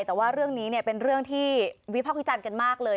แต่ว่าเรื่องนี้เป็นเรื่องที่วิพากษ์วิจารณ์กันมากเลย